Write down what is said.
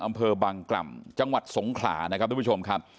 อำเภอบางกล่ำจังหวัดสงขลานะครับทุกผู้ชมครับ